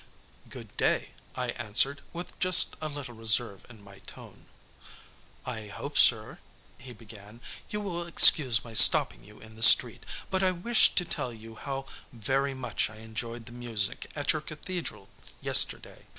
"Good day," I answered, with just a little reserve in my tone. "I hope, sir," he began, "you will excuse my stopping you in the street, but I wish to tell you how very much I enjoyed the music at your cathedral yesterday.